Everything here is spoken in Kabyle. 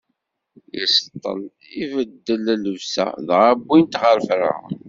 Iseṭṭel, ibeddel llebsa, dɣa wwin-t ɣer Ferɛun.